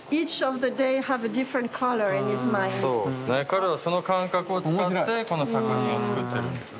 彼はその感覚を使ってこの作品を作ってるんです。